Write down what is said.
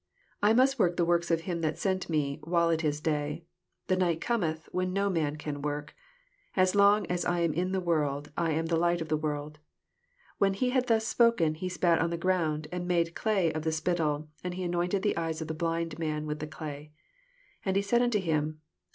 4 I must work the works of him that sent me, while it is day: the night Cometh, when no man can work. 6 As long as I am in the world, I am the light of the world. 6 When he had thus spoken, he spat on the ground, and made clay of the spittle, and he anointed the eyes of the blind man with the day. 7 And said onto him.